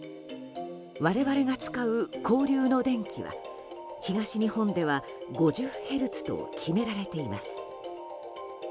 我々が使う交流の電気は東日本では５０ヘルツと決められています。